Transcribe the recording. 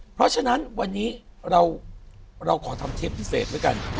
เพราะฉะนั้นวันนี้เราขอทำเทปพิเศษด้วยกัน